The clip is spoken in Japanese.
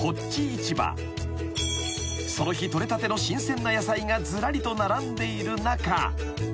［その日取れたての新鮮な野菜がずらりと並んでいる中］